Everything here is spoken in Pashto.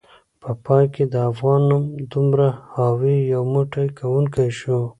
په پای کې د افغان نوم دومره حاوي، یو موټی کونکی شو